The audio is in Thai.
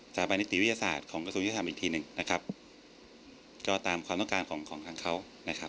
สาบันนิติวิทยาศาสตร์ของกระทรวงยุติธรรมอีกทีหนึ่งนะครับก็ตามความต้องการของของทางเขานะครับ